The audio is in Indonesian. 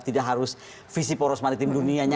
tidak harus visi poros maritim dunianya